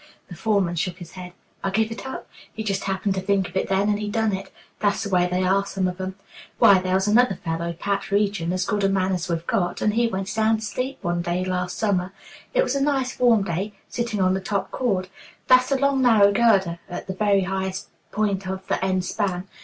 The foreman shook his head. "I give it up. He just happened to think of it then, and he done it. That's the way they are, some of 'em. Why, there was another fellow, Pat Reagan, as good a man as we've got, and he went sound asleep one day last summer, it was a nice warm day, sitting on the top chord. That's a long, narrow girder at the very highest point of the end span.